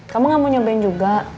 kamu gak mau nyobain juga